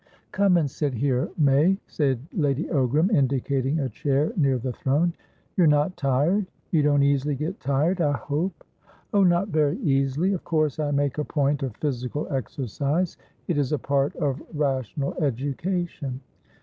"Come and sit here, May," said Lady Ogram, indicating a chair near the throne. "You're not tired? You don't easily get tired, I hope?" "Oh, not very easily. Of course I make a point of physical exercise; it is a part of rational education."